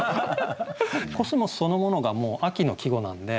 「コスモス」そのものが秋の季語なんで。